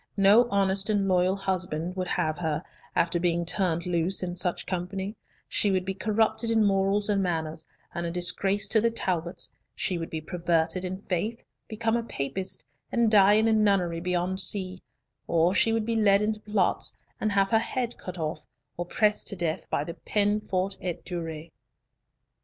No honest and loyal husband would have her, after being turned loose in such company; she would be corrupted in morals and manners, and a disgrace to the Talbots; she would be perverted in faith, become a Papist, and die in a nunnery beyond sea; or she would be led into plots and have her head cut off; or pressed to death by the peine forte et dure.